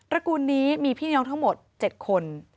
ระกูลนี้มีพี่น้องทั้งหมด๗คน